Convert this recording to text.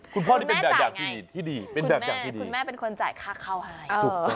คุณพ่อเป็นดักอย่างที่ดีคุณแม่เป็นคนจ่ายค่าเข้าให้